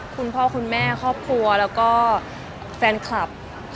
คุณพ่อคุณแม่ครอบครัวแล้วก็แฟนคลับ